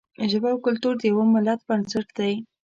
ژبه او کلتور د یوه ملت بنسټ دی.